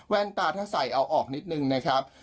ตาถ้าใส่เอาออกนิดนึงนะครับ